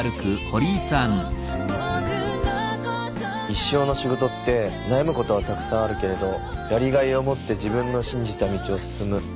一生の仕事って悩むことはたくさんあるけれどやりがいを持って自分の信じた道を進む。